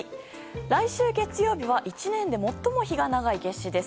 来週月曜日は１年で最も日が長い夏至です。